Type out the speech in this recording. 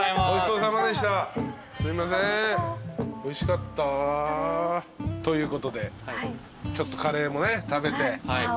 おいしかったです。ということでちょっとカレーもね食べて。